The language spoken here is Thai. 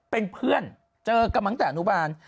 เป็นเพื่อนเจอกันมาตั้งแต่อนุบาล